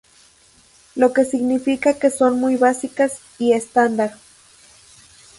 Lo que significa que son muy básicas y estándar.